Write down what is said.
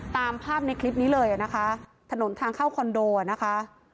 ตามภาพในคลิปนี้เลยนะคะถนนทางเข้าคอนโดอ่ะนะคะ